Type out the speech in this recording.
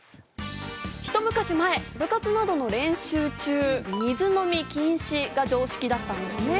ひと昔前、部活などの練習中、水飲み禁止が常識だったんですね。